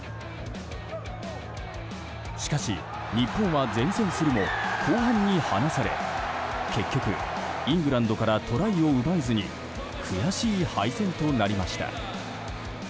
しかし、日本は善戦するも後半に離され結局、イングランドからトライを奪えずに悔しい敗戦となりました。